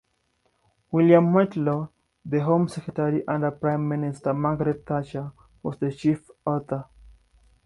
William Whitelaw, the Home Secretary under Prime Minister Margaret Thatcher, was the chief author.